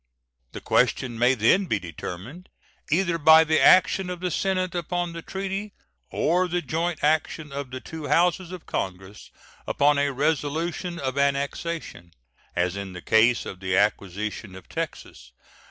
The question may then be determined, either by the action of the Senate upon the treaty or the joint action of the two Houses of Congress upon a resolution of annexation, as in the case of the acquisition of Texas.